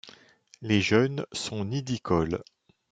Les jeunes sont nidicoles.